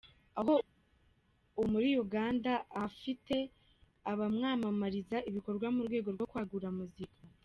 aho ubu muri Uganda ahafite abamwamamariza ibikorwa mu rwego rwo kwagura muzika.